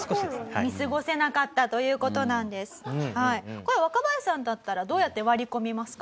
これ若林さんだったらどうやって割り込みますか？